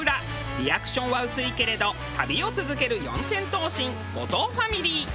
リアクションは薄いけれど旅を続ける四千頭身後藤ファミリー。